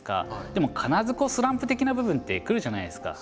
でも必ずスランプ的な部分って来るじゃないですか。